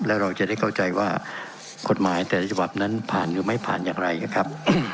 แล้วเราจะได้เข้าใจว่ากฎหมายแต่ละฉบับนั้นผ่านหรือไม่ผ่านอย่างไรนะครับ